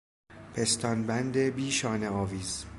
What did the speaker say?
پستانبند بیشانهآویز